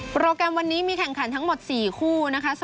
โปรแกรมวันนี้มีแข่งขันทั้งหมด๔คู่นะคะ